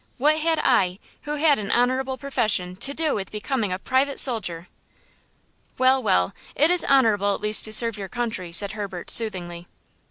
What had I, who had an honorable profession, to do with becoming a private soldier?" "Well, well, it is honorable at least to serve your country," said Herbert, soothingly.